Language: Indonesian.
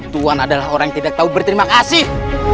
tuhan adalah orang yang tidak tahu berterima kasih